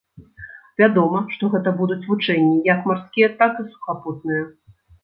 Вядома, што гэта будуць вучэнні як марскія, так і сухапутныя.